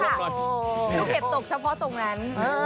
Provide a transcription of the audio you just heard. ลูกเห็บตกเฉพาะตรงนั้น